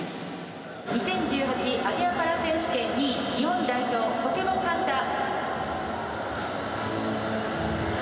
２０１８アジアパラ選手権２位、日本代表、小久保寛太。